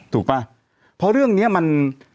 ป่ะเพราะเรื่องนี้มัน